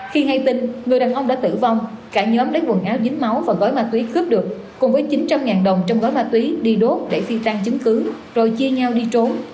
khi ngay tin người đàn ông đã tử vong cả nhóm đã quần áo dính máu và gói ma túy cướp được cùng với chín trăm linh đồng trong gói ma túy đi đốt để phi tăng chứng cứ rồi chia nhau đi trốn